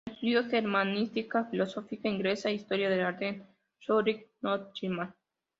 Estudió germanística, filología inglesa e historia del arte en Zúrich y Nottingham.